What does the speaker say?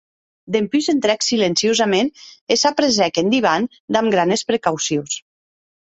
Dempús entrèc silenciosaments e s’apressèc en divan damb granes precaucions.